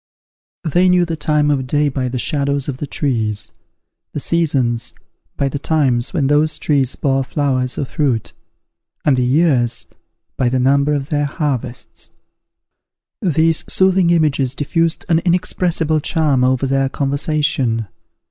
They knew the time of day by the shadows of the trees; the seasons, by the times when those trees bore flowers or fruit; and the years, by the number of their harvests. These soothing images diffused an inexpressible charm over their conversation.